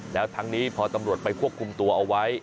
แล้วทั้งนี้พอตำรวจไปควบคุมตัวเอาไว้